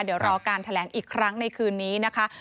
เดี๋ยวรอการแถลงอีกครั้งในคืนนี้นะคะ